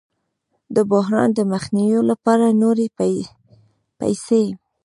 د بحران د مخنیوي لپاره نورې پیسې